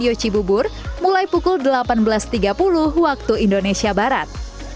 dita dan yochi bubur mulai pukul delapan belas tiga puluh waktu indonesia barat